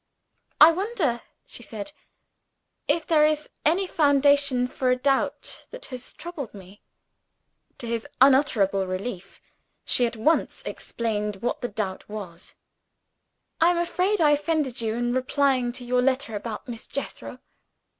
"I wonder," she said, "if there is any foundation for a doubt that has troubled me?" To his unutterable relief, she at once explained what the doubt was. "I am afraid I offended you, in replying to your letter about Miss Jethro."